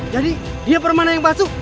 jadi dia permana yang basuh